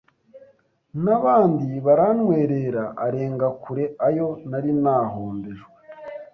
n’abandi barantwerera arenga kure ayo nari nahombejwe.